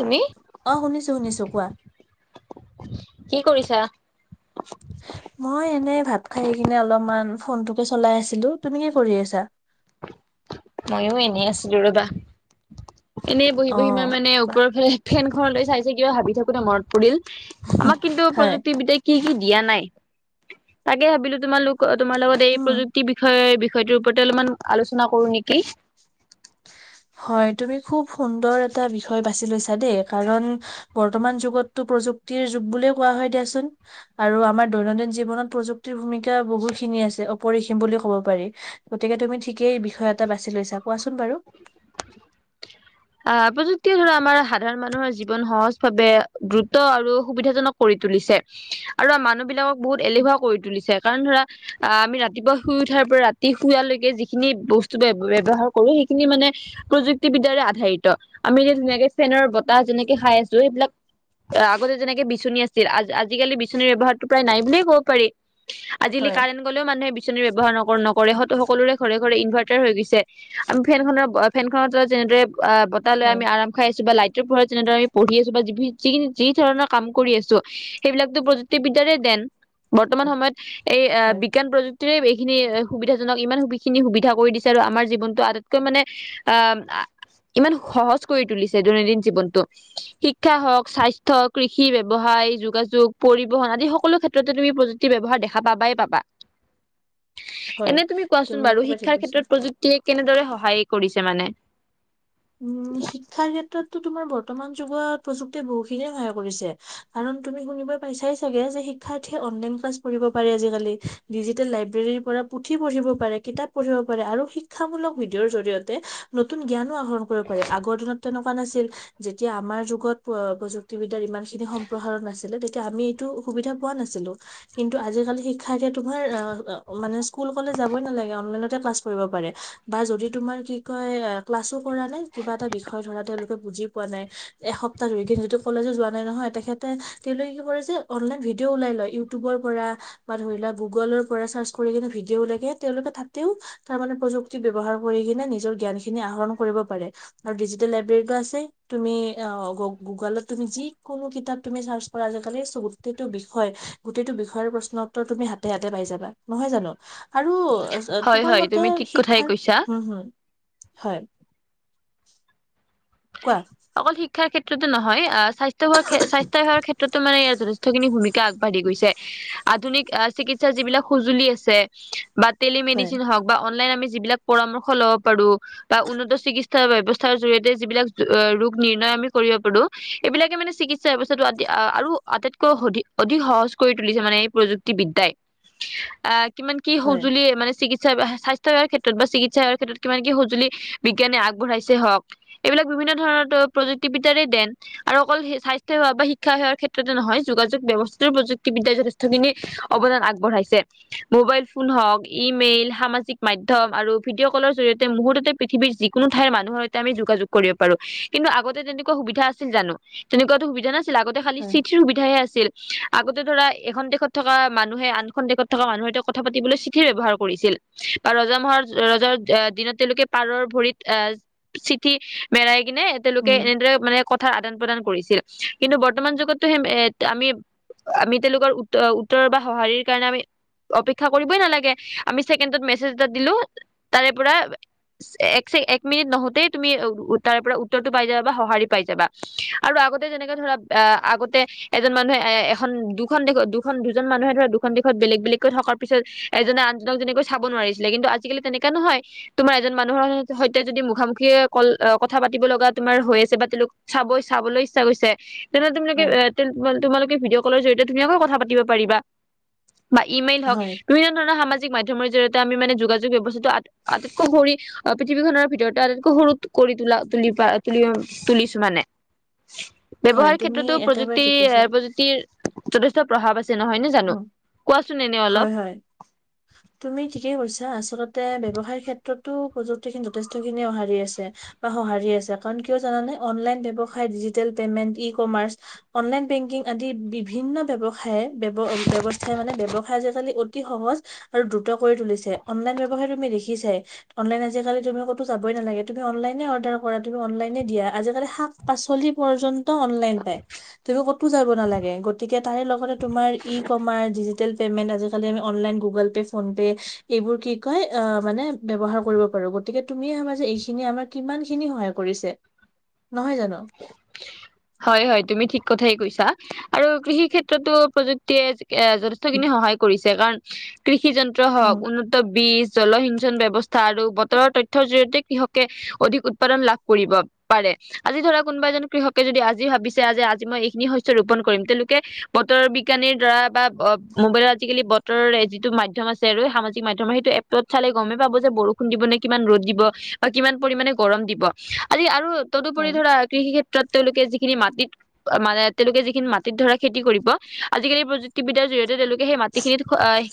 তুমি? অ শুনিছো শুনিছো কোৱা। কি কৰিছা। মই এনেই ভাত খাই কিনে অলপমান। ফোনটোকে চলাই আছিলো তুমি কি কৰি আছা। ময়ো এনেই আছিলো ৰবা। এনেই বহি অ বহি মই মানে কোৱা ওপৰফালে ফেনখনলৈ চাই চাই কিবা ভাবি থাকোতে মনত পৰিল। আমাক কিন্তু হয় প্ৰযুক্তিবিদ্যাই কি কি দিয়া নাই তাকে ভাবিলো তোমালোক। অ তোমাৰ লগত এই উম প্ৰযুক্তি বিষয়ে। বিষয়টোৰ ওপৰতে অলপমান আলোচনা কৰো নেকি। হয় তুমি খুব সুন্দৰ এটা বিষয় বাছি লৈছা দেই কাৰণ বৰ্তমান যুগতো। প্ৰযুক্তিৰ যুগ বুলিয়ে কোৱা হয় দিয়াচোন। আৰু আমাৰ দৈনন্দিন জীৱনত প্ৰযুক্তিৰ ভুমিকা। বহুত খিনি আছে। পিখিম বুলিও ক'ব পাৰি গতিকে তুমি ঠিকেই বিষয় এটা বাছি লৈছা কোৱাচোন বাৰু। [unintelligible] আহ প্ৰযুক্তিয়ে ধৰা আমাৰ সাধাৰণ মানুহৰ জীৱন সহজ ভাৱে দ্ৰুত আৰু সুবিধাজনক কৰি। তুলিছে আৰু মানুহ বিলাকক বহুত এলেহুৱা কৰি তুলিছে। কাৰণ ধৰা আমি ৰাতিপুৱা শুই উঠাৰ পৰা ৰাতি শুুৱালৈকে যিখিনি বস্তু ব্যয়ৱহাৰ কৰো। মানে প্ৰযুক্তিবিদ্যাৰে। ধাৰিত আমি এতিয়া ধুনীয়াকে ফেনৰ বতাহ যেনেকে খাই আছোঁ এইবিলাক। আগতে যেনেকে বিচনী আছিল। আজিকালি বিচনীৰ ব্যৱহাৰটো প্ৰায় নাই বুলিয়ে ক'ব পাৰি। আজিকালি হয় কাৰেণ্ট গলেও মানুহে বিচনী ব্যৱহাৰ নকৰে হয়তো সকলোৰে ঘৰে। ঘৰে ইনভাৰ্টাৰ হৈ গৈছে আমি ফেনখনৰ ফেনখনৰ তলত যেনেদৰে। আ বতাহৈ হয় আমি আম খাই আছো বা লাইটটোৰ পৰত যেনেদৰে আি পঢ়ি আছো বা যি। যিখিনি যি ধৰণৰ কাম কৰি আছো সেইবিলাকতো প্ৰযুক্তিবিদ্যাৰে দেন। বৰ্তমান সময়ত এই হয় বিজ্ঞান প্ৰযুকতী। এইখিনি সুবিধাজনক ইমান স খিনি সুবিধা কৰি দিছে আৰু আমাৰ জীৱনতটো আটাইতকৈ মানে আহ। ইমান সহজ কৰি তুলিছে দৈনন্দিন জীৱনতটো শিক্ষা হওঁক স্বাস্থ্য কৃষি ব্যৱসায়ৰ। যোগাযোগ পৰিবহন আদি সকলো ক্ষেত্ৰতে তুমি প্ৰযুক্তি ব্যৱহাৰ দেখা পাবাই পাবা। [unintelligible] হয় এনে তুমি কোৱাচোন বাৰু একেবাৰে ঠিক শিক্ষাৰ কৈছা ক্ষেত্ৰত প্ৰযুক্তিয়ে কেনেদৰে সহায় কৰিছে মানে? উম শিক্ষাৰ ক্ষেত্ৰত। তোমাৰ বৰ্তমান যুগত প্ৰযুক্তিয়ে বহুখিনিয়ে সহায় কৰিছে কাৰণ তুমি শুনিব পাইছাই চাগে যে। শিক্থলাইন ক্লা পঢিব পাৰে আজালি ডিজিটেল লাইব্ৰৰ পৰা পু পঢ়িব পাৰে কিতাপ। কৰিব পাৰে আৰু শিক্ষা মূলক ভিডিঅৰ জৰিয়তে নতুন জ্ঞানো আহৰণ। আগৰ দিনত তেনেকুৱা নাছিল যেতিয়া আমাৰ যুগত প্ৰযুক্তি বি। ইমান খিনি সম্প্ৰসাৰণ নাছিলে তেতিয়া আমি এইটো সুবিধা পোৱা নাছিলো কিন্তু আজিকালি শিক্ষা। থাকে তোমাৰ অ মানে স্কুল কলেজ যাবই নালাগে অনলাইনত। তে ক্লাছ কৰিব পাৰে বা যদি তোমাৰ কি কয় ক্লাছো কৰা নে। কিবা এটা বিষয় ধৰা তেওঁলোকে বুজি পোৱা নাই এসপ্তাহ ধৰি কিন্ত যিটো কলেজো যোৱা নাই নহয় তেখেতে। কৰে যে অনলাইন ভিডিঅ ওলাই লয় ইউটিউবৰ পৰা বা ধৰি ল গুগলৰ পৰা চাৰ্চ কৰিনে ভিডি। দেও লাগে তেওঁলোকে তাতেও তাৰ মানে প্ৰযুক্তি ব্যৱহাৰ কৰি কিনে নিজৰ জ্ঞান খিনি আহৰণ কৰিব পাৰে। আৰু ডিজিটেল লাইব্ৰেৰীটো আছে, তুমি অ গুগলত তুমি যিকোনো কিতাপ তুমি চাৰ্চ আজিকালি গোটেইটো বিষয় গোটেইটো বিষয়ৰ প্ৰশ্ন উত্তৰ তুমি হাতে হাতে পাই যাবা নহয় জানো? আৰু হয় তোমাৰ হয় মতে তুমি ঠিক কথাই শিক্ষাৰ কৈছা। হুম হুম হয়। কোৱা? অকল শিক্ষাৰ ক্ষেত্ৰতো নহয় আ স্বাস্থ্য সেৱা স্বাস্থ্য সেৱাৰ ক্ষেত্ৰতো মানে ইয়াৰ যথে খিনি ভূমিকা আগবাঢ়ি গৈছে, আধুনিক আ চিকিৎসা যিবিলাক সজুলি আছে বাত হয়, টেলিমেডিচিন হওঁক বা অনলাইন আমি যিবিলাক পৰামৰ্শ লব পাৰো বা উন্নত চিকিৎসা ব্যৱস্থাৰ জৰিয়তে যিবিলাক ৰোগ নিৰ্ণয় আমি কৰিব পাৰো, এইবিলাকে মানে চিকিৎসা ব্যৱস্থাটো আৰু আটাইতকৈ অধিক দি সহজ কৰি তুলিছে মানে এই প্ৰযুক্তি বিদ্যাই, আ কিমান কি হয়, সজুলি মানে চিকিত সা স্বাস্থ্য সেৱাৰ ক্ষেত্ৰত বা চিকিৎসা সেৱাৰ ক্ষেত্ৰত কিমান কি সজুলি বিজ্ঞানে আগবঢ়াইছে হওক এইবিলাক বিভিন্ন ধৰণৰ তোৰ প্ৰযুক্তিবিদ্যাৰে দেন আৰু অকল স্বাস্থ্য সেৱা বা শিক্ষা সেৱাৰ ক্ষেত্ৰতে নহয় যোগাযোগ ব্যৱস্থাৰ প্ৰযুক্তিবিদ্যা যথেষ্টখিনি অৱদান আগবঢ়াইছে। মোবাইল ফোন, হওঁক ইমেইল সামাজিক মাধ্যম আৰু ভিডিঅ' কলৰ জৰিয়তে মুহূৰ্ততে পৃথিৱীৰ যিকোনো ঠাইৰ মানুহৰ সৈতে আমি যোগাযোগ কৰিব পাৰো কিন্তু আগতে তেনেকুৱা সুবিধা আছিল জানো তেনেকুৱাতো সুবিধা নাছি ল আগতে খালি হয়। চিঠিৰ সুবিধাহে আছিল। আগতে ধৰা এখন দেশত থকা মানুহে আনখন দেশত থকা মানুহে কথা পাতিবলৈ চিঠিৰ ব্যৱহাৰ কৰিছিল। বা ৰজা মহাৰ ৰজাৰ দিনত তেওঁলোকে পাৰৰ ভৰিত আহ চিঠি মেৰাই কিনে তেওঁলোকে উম, এনেদৰে মানে কথা আদান প্ৰদান কৰিছিল কিন্তু বৰ্তমান যুগতো সেই আমি আমি তেওঁলোকৰ উও উত্তৰ বা সঁহাৰিৰ কাৰণে আমি অপেক্ষা কৰিবই নালাগে, আমি ছেকেণ্ডত মেছেজ এটা দিলো তাৰে পৰা এক ছে এক মিনিট নহওতে তুমি তাৰে পৰা উত্তৰটো পাই যাবা বা সঁহাৰি পাই যাবা আৰু আগতে যেনেকে ধৰা আ আগতে এজন মানুহে এ এখন দুখন দেশত দুখন দুজন মানুহে ধৰা দুখন দেশত বেলেগ বেলেগকৈ থকাৰ পিছত এজনে আনজনক যেনেকৈ চাব নোৱাৰিছিলে কিন্তু আজিকালি তেনেকা নহয় তোমাৰ এজন মানুহৰ সৈতে যদি মুখামুখি কল কথা পাতিব লগা তোমাৰ হৈ আছে বা তেওঁলোক চাব চাবলৈ ইচ্ছা কৰিছে তেনে তোমালোকে হয়, এ তোমালোকে ভিডিঅ' কলৰ জৰিয়তে ধুনীয়াকৈ কথা পাতিব পাৰিবা। বা ইমেইল হওক হয়, বিভিন্ন ধৰণৰ সামাজিক মা ধ্যমৰ জৰিয়তে আমি মানে যোগাযোগ ব্যৱস্থাটো আটাই আটাইতকৈ কৰি পৃথিৱীখনৰ ভিতৰততে আটতকৈ সৰু কৰি তোলা তুলি পা তুলি তুলিছো মানে। হয়। ব্যৱহাৰ তুমি ক্ষেত্ৰতো একেবাৰে প্ৰযুক্তি ঠিক এ কৈছা। প্ৰযুক্তিৰ যথেষ্ট প্ৰভাৱ আছে। নহয় নে জানো কোৱাচোন এনে অলপ হয় হয় তুমি ঠিকে কৈছা। আচলতে ব্যৱসায় ক্ষেত্ৰতো প্ৰযুক্তিখিনি যথেষ্টখিনি অহাৰি আছে বা সঁহাৰি আছে কাৰণ কিয় জানা নাই অনলাইন ব্যৱসায় digital payment, e commerce, online banking আদি বিভিন্ন ব্যৱসায় ব্যৱ ব্যৱস্থাই মানে ব্যৱসায়ত আজিকালি অতি সহজ আৰু দ্ৰুত কৰি তুলিছে, অনলাইন ব্যৱসায় তুমি দেখিচাই, অনলাইন আজিকালি তুমি কতো যাবই নালাগে, তুমি অনলাইনে অৰ্ডাৰ কৰা তুমি অনলাইনে দিয়া আজিকালি শাক -পাচলি পৰ্যন্ত অনলাইন পায়। তুমি ক'তো যাব নালাগে গতিকে তাৰে লগতে টোটেল পেমেন্ট আজিকালি আমি online Google pay, PhonePe এইবোৰ কি কয় আ মানে ব্যৱহাৰ কৰিব পাৰো। আৰু গতিকে তুমিয়ে সমাজে এইখিনি আমাৰ কিমান খিনি সহায় কৰিছে। নহয় জানো হয় হয় তুমি ঠিক কথাই কৈ ছা আৰু কৃষি ক্ষেত্ৰতো প্ৰযুক্তিয়ে এ যথেষ্টখিনি সহায় কৰিছে কাৰণ কৃ ষি যন্ত্ৰ হওক উম উন্নত বিজ জলসিঞ্চন ব্যৱস্থা আৰু বতৰৰ তথ্যৰ জৰিয়তে কৃষকে অধিক উৎপাদন লাভ কৰিব পাৰে। আজি ধৰক কোনোবা এজন কৃষকে যদি আজি ভাবিছে যে আজি মই এইখিনি শস্য ৰোপন কৰিম তেওঁলোকে বতৰ বিজ্ঞানীৰ দ্বাৰা বা অ মোবাইলত আজিকালি বতৰৰ যিটো মাধ্যম আছে আৰু সামাজিক মাধ্যমৰ সেইটো এপত চালে গমেই পাব যে বৰষুণ দিব নে কিমান ৰ'দ দিব বা কিমান পৰিমানে গৰম দিব আমি আৰু তদুপৰি হয় ধৰা কৃষি ক্ষেত্ৰত তেওঁলোকে যি খিনি মাটিত মানে তেওঁলোকে যি খিনি মাটিত ধৰা খেতি কৰিব আজিকালি প্ৰযুক্তি বি দ্যাৰ জৰিয়তে তেওঁলোকে সেই মাটিখিনিত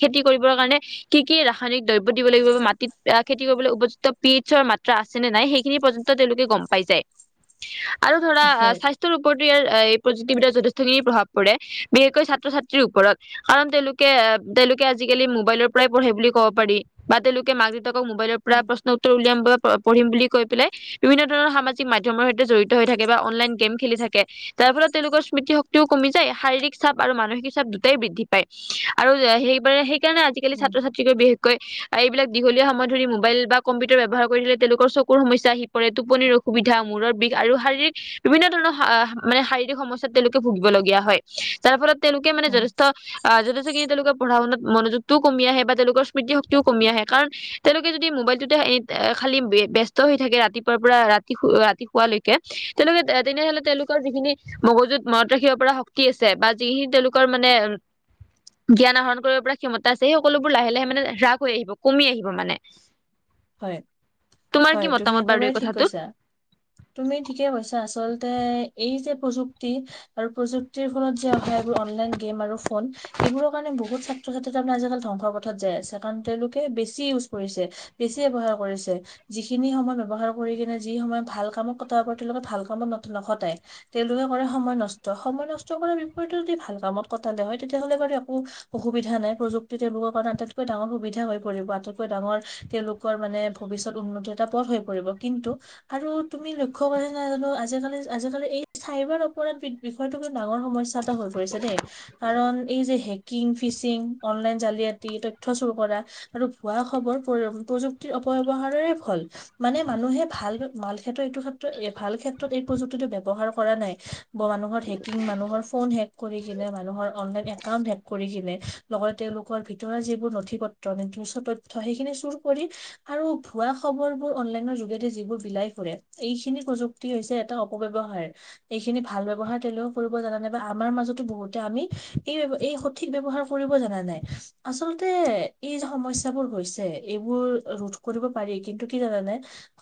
খেতি কৰিবৰ কাৰণে কি- কি ৰাসায়নিক দ্ৰব্য দিব লাগিব বা মাটিত আহ খেতি কৰিবলৈ উপযুক্ত পিয়েডচৰ মাত্ৰা আছে নে নাই সেইখিনি পৰ্যন্ত তেওঁলোকে গম পাই যায় আৰু ধৰা হয় স্বাস্থ্যৰ ওপৰত প্ৰযুক্তি বিদ্যাৰ যথেষ্টখিনি প্ৰভাৱ পৰে বিশেষকৈ ছাত্ৰ- ছাত্ৰীৰ ওপৰত কাৰণ তেওঁলোকে তেওঁলোকে আজিকালি মোবাইলৰ পৰাই পঢ়ে বুলি ক'ব পাৰি বা তেওঁলোকে মাক দেউ ক মোবাইলৰ পৰা উম প্ৰশ্ন উত্তৰ উলিয়াম বা পঢ়িম বুলি কৈ পেলাই বিভিন্ন ধৰণৰ সামাজিক মাধ্যমৰ জড়িত হৈ থাকে বা অনলাইন গেম খেলি থাকে। যাৰ ফলত তেওঁলোকৰ স্মৃতি, -শক্তিও কমি যায়, শাৰীৰিক চাপ আৰু মানসিক পিছত দুটাই বৃদ্ধি পায় আৰু সেইবাৰে সেইকাৰণে আজিকালি উম ছাত্ৰ - চাত্ৰিকৈ বি এইবিলাক দীঘলীয়া সময় ধৰি মোবাইল বা কম্পিউটাৰ ব্যৱহাৰ কৰিলে তেওঁলোকৰ চকুৰ সমস্যা আহি পৰে টোপনি ৰ অসুবিধা, মূৰৰ বিষ আৰু শাৰীৰিক বিভিন্ন ধৰণৰ মানে শাৰীৰিক সমস্যাত তেওঁলোকে ভুগিবলগীয়া হয় যাৰ ফলত তেওঁলোকে মানে উম যথেষ্ট -যথেষ্টখিনি তেওঁলোকে পঢ়া - শুনাত মনোযোগটোও কমি আহে বা তেওঁলোকৰ স্মৃতি- শক্তিও কমি আহে কাৰণ তেওঁলোকে যদি মোবাইলটোতে এনি - খালী ব্যস্ত হৈ থাকে ৰাতিপুৱাৰ পৰা ৰাতি - ৰাতি শুৱালৈকে তেওঁলোকে তেনেহলে তেওঁলোকৰ যিখিনি মগজুত মনত ৰাখিব পৰা শক্তি আছে, বা যিখিনি তেওঁলোকৰ মানে জ্ঞান আহৰণ কৰিব পৰা ক্ষমতা আছে সেই সকলোবোৰ লাহে -লাহে মানে হ্ৰাস হৈ আহিব কমি আহিব মানে। হয় তোমাৰ -হয় কি তুমি মতামত বাৰু এই একেবাৰে ঠিক কথাটোত? কৈছা। তুমি ঠিকে কৈছা আচলতে এই যে প্ৰযুক্তি আৰু প্ৰযুক্তি ফলত যে অহা হয় এইবোৰ অনলাইন গেম আৰু ফোন এইবোৰৰ কাৰনে বহুত ছাত্ৰ- ছাত্ৰী তাৰমানে আজিকালি ধ্বংসৰ পথত যাই আছে কাৰণ তেওঁলোকে বেছি ইউজ কৰিছে বেছি ব্যয়ৱহাৰ কৰিছে যিখিনি সময় ব্যৱহাৰ কৰি কিনে যি সময় ভাল কামত কটাব পৰা তেওঁলোকে ভাল কামত নখটাই তেওঁলোকে কৰে সময় নষ্ট -সময় নষ্ট কৰাৰ বিপৰীতে যদি ভাল কামত কটালে হয় তেতিয়াহলে একো অসুবিধা নাই প্ৰযুক্তি তেওঁলোকৰ কাৰণে আটাইতকৈ ডাঙৰ সুবিধা হৈ পৰিব আটাইতকৈ ডাঙৰ তেওঁলোকৰ মানে ভৱিষ্যত উন্নতি এটা পথ হৈ পৰিব কিন্তু আৰু তুমি লক্ষ্য কৰিছা নে নাজানো আজি আজিকালি -আজিকালি এই চাইবাৰ অপৰাধ বিষয়টোক ডাঙৰ সমস্যা এটা হৈ পৰিছে দেই কাৰণ এই যে হেক কিং, ফিচিং,, অনলাইন জালিয়াতি, তথ্য চুৰ কৰা, আৰু ভুৱা খবৰ পৰি প্ৰযুক্তিৰ অপব্যৱহাৰৰে ফল। মানে মানুহে ভাল মাল ক্ষেত্ৰত এইটো ক্ষেত্ৰত ভাল ক্ষেত্ৰত এই প্ৰযুক্তি টো ব্যৱহাৰ কৰা নাই বা মানুহৰ হেকিং, মানুহৰ ফন হেক কৰি কেনে মানুহৰ অনলাইন একাউণ্ট একাউণ্ট হেক কৰি কেনে লগতে তেওঁলোকৰ ভিতৰোৱা যিবোৰ নথি -পত্ৰ, উচ্চ তথ্য সেইখিনি চুৰ কৰি আৰু ভুৱা খবৰ বোৰ অনলাইনৰ যোগেদি যিবোৰ বিলাই ফুৰে, এইখিনি প্ৰযুক্তি হৈছে এটা এটা অপব্যৱহাৰ এইখিনি ভাল ব্যৱহাৰ তেঁওলোকে কৰিব জানা নাই বা আমাৰ মাজতো বহুতে আমি এই এই সঠিক ব্যৱহাৰ কৰিব জানা নাই আচলতে এই যে সমস্যাবোৰ গৈছে এইবোৰ ৰোধ কৰিব পাৰি কিন্তু কি জানানে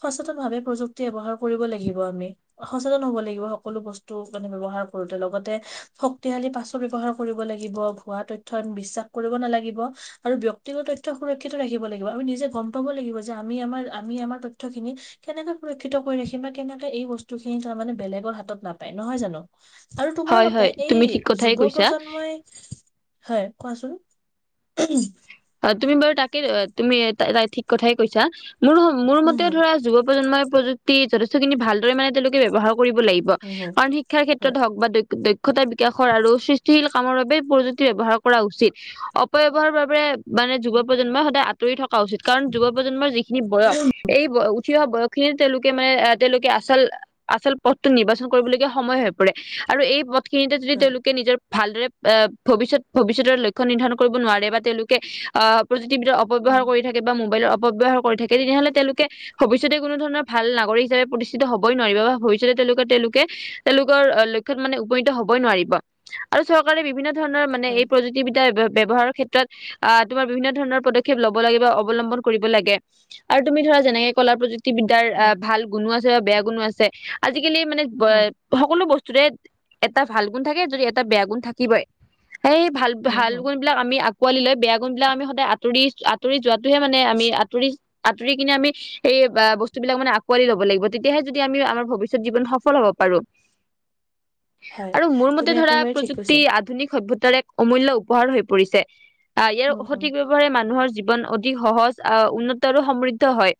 সচেতন ভাৱে প্ৰযুক্তি ব্যৱহাৰ কৰিব লাগিব আমি। সচেতন হব লাগিব সকলো বস্তু মানে ব্যৱহাৰ কৰোতে লগতে শক্তিশালী পাছ ব্যৱহাৰ কৰ লাগিব ভুৱা- তথ্যত বিশ্বাস কৰিব নালাগিব আৰু ব্যক্তিগত -তথ্য সুৰক্ষিত ৰাখিব লাগিব আমি নিজে গম পাব লাগিব যে আমি আমাৰ আমি আমাৰ তথ্য খিনি কেনেকে সুৰক্ষিত কৰি ৰাখিম বা কেনেকে এই বস্তু খিনি তাৰ মানে বেলেগৰ হাতত নাপায় নহয় জানো? আৰু তোমাৰ হয় মতে হয় এই তুমি ঠিক কথাই যুৱ কৈছা। প্ৰজন্মই, হয় কোৱাচোন? উম অ', তুমি বাৰু তাকে তুমি ঠিক কথাই কৈছা মোৰ -মোৰ উম মতে হম ধৰা যুব প্ৰজন্মই প্ৰযুক্তি যথেষ্টখিনি ভালদৰে মানে তেওঁলোকে ব্যৱহাৰ কৰিব লাগিব। হয় কাৰণ শিক্ষাৰ ক্ষেত্ৰত হয় হক বা দক্ষতা বিকাশৰ আৰু সৃষ্টিশীল কামৰ বাবে প্ৰযুতি ব্যৱহাৰ কৰা উচিত। অপব্যৱহাৰৰ বাবে মানে যুৱ- প্ৰজন্মই সদায় আঁতৰি থকা উচিত কাৰণ যুৱ প্ৰজন্মৰ যিখিনি বয়স এই বয় থিয় বয়স খিনিত তেওঁলোকে মানে এ তেওঁলোকে আচল -আচল পথটোত নিৰ্বাচন কৰিবলগীয়া সময় হৈ পৰে আৰু এই পথ খিনিতে যদি হয় তেওঁলোকে নিজৰ ভালদৰে আহ ভৱিষ্যত -ভৱিষ্যতৰ লক্ষ্য নিৰ্ধাৰণ কৰিব নোৱাৰে বা তেওঁলোক অ প্ৰযুক্তিবিদ্যাৰ অপব্যৱহাৰ উম কৰি থাকে বা মোবাইলৰ অপ অপব্যৱহাৰ কৰি থাকে তেনেহলে তেওঁলোকে ভবিষ্যতে কোনো ধৰণৰ ভাল নাগৰিক হিচাপে প্ৰতিষ্ঠ হবই নোৱাৰিব বা ভৱিষ্যতে লোক তেওঁলোকে তেওঁলোকৰ লক্ষত মানে উপনীত হ'বই নোৱাৰিব। আৰু চৰকাৰে বিভিন্ন ধৰণৰ মানে হয় এই প্ৰযুক্তিবিদা ব্যৱহাৰৰ ক্ষেত্ৰত আহ তোমাৰ বিভিন্ন ধৰণৰ পদক্ষেপ লব লাগে বা অৱলম্বন কৰিব লাগে আৰু তুমি ধৰা যেনেকে কলা প্ৰযুক্তি ক্ত বিদ্যাৰ উম হয় আহ উম ভাল গুণো আছে বা বেয়া গুণো আছে আজিকালি মানে উম সকলো বস্তু য এটা ভাল গুণ থাকে যদি এটা বেয়া গুণ থাকিবই। সেই ভাল উম ভাল হম গুণ বিলাক আমি আকোৱালি লৈ বেয়া গুণ বিলাক আমি সদায় আঁতৰি আঁতৰি যোৱাত টোহে মানে আমি আঁতৰি আতৰি কিনে আমি সেই বস্তুবিলাক মানে আকোৱালি লাগ তেতিয়াহে যদি আমি আমাৰ ভৱিষ্যত জীৱন সফ হব প পাৰো। [inaudible] হয় আৰু মোৰ মতে তুমি ধৰা একেবাৰে ঠিক প্ৰযুক্তি কৈছা আধুনিক সভ্যতা এক অমূল্য উপহাৰ হৈ পৰিছে আহ উম ইয়াৰ হম সঠিক ব্যৱহাৰে মানুহৰ জীৱন অধিক সহজ আহ উন্নত আৰু সমৃদ্ধ হয়।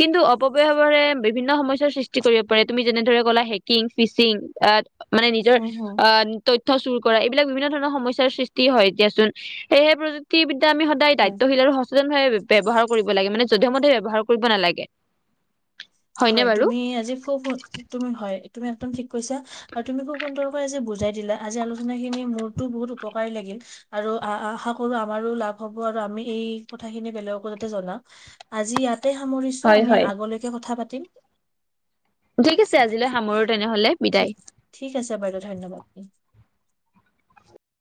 কিন্তু অপবয়ৰে বিভিন্ন সমস্যাৰ সৃষ্ট কৰিব পাৰে তুমি যেনেদৰে ক'লা হেকিং ফিচিং মানে নিজৰ উম হম আহ তথ্য চুৰ কৰা এইবিলাক বিভিন্ন ধৰণৰ সমস্যাৰ সৃষ্টি হয় দিয়াচোন। সেয়েহেযুক্তিবিদা আমি সদায় হয় দায়িত্বশীল আৰু সচেতন ভাৱে ব্যৱহাৰ কৰিব লাগে, মানে মোৰ মতে ব্যৱহাৰ কৰিব নালাগে। হয়নে হয় বাৰু? তুমি আজি খুব তুমি হয়। তুমি একদম ঠিক কৈছ আৰু তুমিো সুন্দৰকৈজি বুজাই দিলা আজি আলোচনা খিনি মোৰতো বহুত উপকাৰী লাগে। আৰু আশা কৰো আমাৰো লাভ হব আৰু আমি এই কথা খিনি বেলেগকো যাতে জনাওঁ। আজি ইয়াত তে সামৰিছো, হয় আমি হয়। আগলৈকে কথা পাতিম। ঠিক আছে আজিলৈ সামৰো। তেনেহলে বিদায়। ঠিক আছে বাৰু ধন্যবাদ